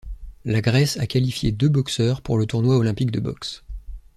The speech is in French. La Grèce a qualifié deux boxeurs pour le tournoi olympique de boxe.